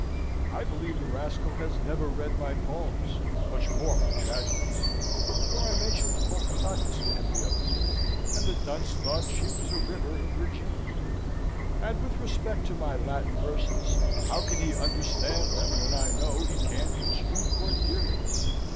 I believe the rascal has never read my poems, much more my tragedies (for I mentioned Pocahontas to him the other day, and the dunce thought she was a river in Virginia); and with respect to my Latin verses, how can he understand them when I know he can't construe Corderius?